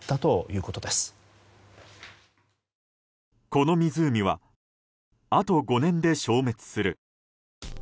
この湖はあと５年で消滅する。